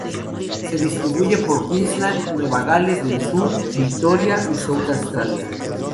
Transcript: Se distribuye por Queensland, Nueva Gales del Sur, Victoria y South Australia.